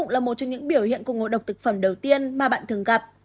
là một trong những biểu hiện của ngộ độc thực phẩm đầu tiên mà bạn thường gặp